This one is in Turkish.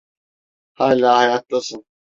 Hâlâ hayattasın.